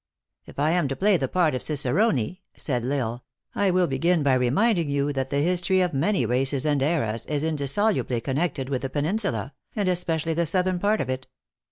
" If I am to play the part of cicerone" said L Isle, " I will begin by reminding you that the history of many races and eras is indissolubly connected with the Peninsula, and especially the southern part of it.